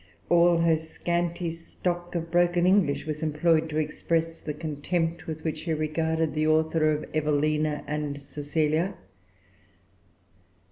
All her scanty stock of broken English[Pg 363] was employed to express the contempt with which she regarded the author of Evelina and Cecilia.